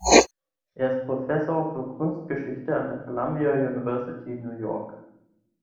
Er ist Professor für Kunstgeschichte an der Columbia University, New York.